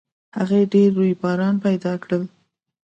هغې ډېر رویباران پیدا کړل